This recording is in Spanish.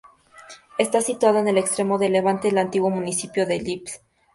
Está situado en el extremo de levante del antiguo municipio de Llesp.